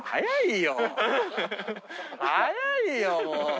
速いよもう。